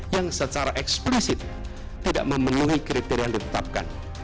yang secara eksplisit tidak memenuhi kriteria yang ditetapkan